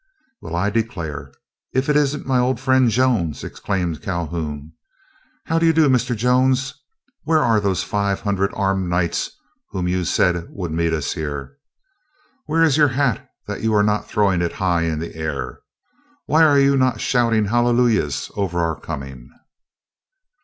"Well, I declare, if it isn't my old friend Jones!" exclaimed Calhoun. "How do you do, Mr. Jones? Where are those five hundred armed Knights who you said would meet us here? Where is your hat, that you are not throwing it high in air? Why are you not shouting hallelujahs over our coming?"